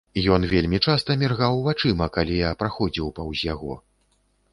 Ён вельмі часта міргаў вачыма, калі я праходзіў паўз яго.